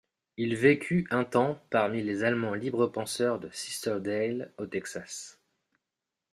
Il vécut un temps parmi les allemands libres penseurs de Sisterdale, au Texas.